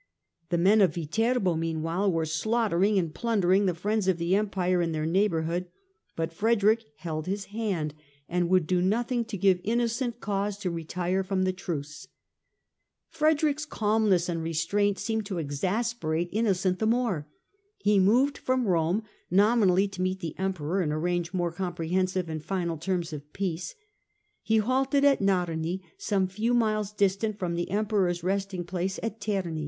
The men of Viterbo, meanwhile, were slaughtering and plundering the friends of the Empire in their neighbourhood, but Frederick held his hand and would do nothing to give Innocent cause to retire from the truce. Frederick's calmness and restraint seemed to exasperate Innocent the more. He moved from Rome, nominally to meet the Emperor and arrange more comprehensive and final terms of peace. He halted at Narni, some few miles distant from the Emperor's resting place at Terni.